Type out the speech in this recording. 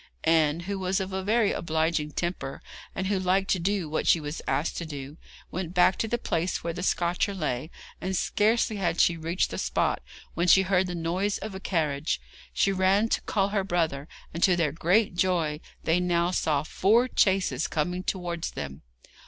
Anne, who was of a very obliging temper, and who liked to do what she was asked to do, went back to the place where the scotcher lay, and scarcely had she reached the spot when she heard the noise of a carriage. She ran to call her brother, and, to their great joy, they now saw four chaises coming towards them.